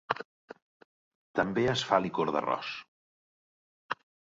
També es fa licor d'arròs.